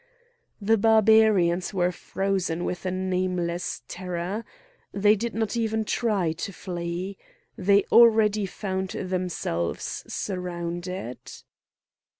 The Barbarians were frozen with a nameless terror. They did not even try to flee. They already found themselves surrounded.